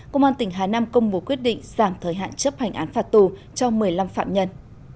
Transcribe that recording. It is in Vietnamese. công an tỉnh hà nam công bố quyết định giảm thời hạn chấp hành án phạt tù cho một mươi năm phạm nhân